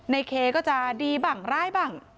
ในเคก็จะดีบ้างร้ายบ้าง